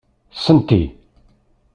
Senti!